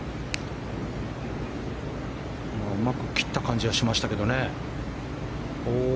うまく切った感じはしましたけどね。